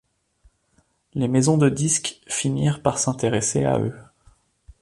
Les maisons de disques finirent par s’intéresser à eux.